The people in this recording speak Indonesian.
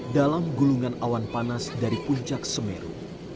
dalam gulungan awan panas dari puncak semeru